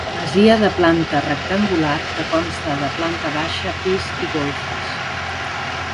Masia de planta rectangular que consta de planta baixa, pis i golfes.